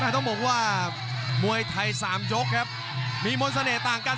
ต้องบอกว่ามวยไทย๓ยกครับมีมนต์เสน่ห์ต่างกัน